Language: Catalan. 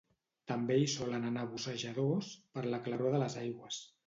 També hi solen anar bussejadors, per la claror de les aigües.